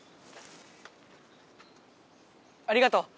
ありがとう。